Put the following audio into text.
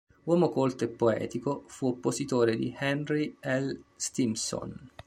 Uomo colto e poetico, fu oppositore di Henry L. Stimson.